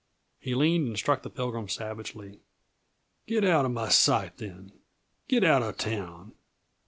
He leaned and struck the Pilgrim savagely. "Get out uh my sight, then! Get out uh town!